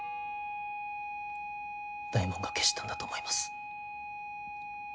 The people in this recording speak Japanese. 大門が消したんだと思います。